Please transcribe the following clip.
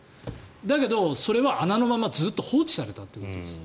だけどそれは穴のままずっと放置されたということです。